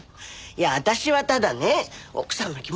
いや私はただね奥さんの気持ち考えて。